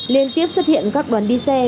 liên tiếp xuất hiện các đoàn đi xe